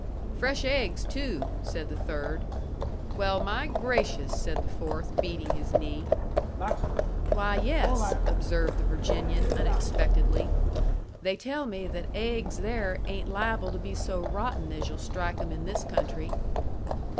"Fresh eggs, too," said the third. "Well, my gracious!" said the fourth, beating his knee. "Why, yes," observed the Virginian, unexpectedly; "they tell me that aiggs there ain't liable to be so rotten as yu'll strike 'em in this country."